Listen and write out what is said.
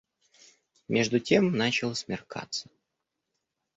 Между тем начало смеркаться.